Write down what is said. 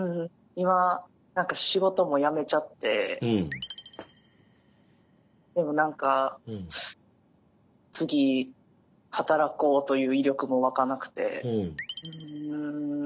今何か仕事も辞めちゃってでも何か次働こうという意欲もわかなくてうん。